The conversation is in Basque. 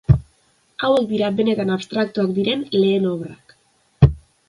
Hauek dira benetan abstraktuak diren lehen obrak.